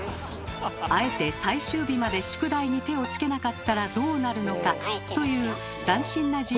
あえて最終日まで宿題に手を付けなかったらどうなるのか？という斬新な自由研究です。